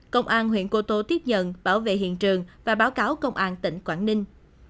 công an huyện cô tô tiếp nhận bảo vệ hiện trường và báo cáo công an tỉnh quảng ninh